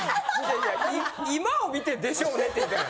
今を見て「でしょうね」って言ったやろ。